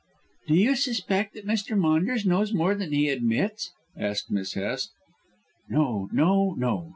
"Do you suspect that Mr. Maunders knows more than he admits?" asked Miss Hest. "No! No! No!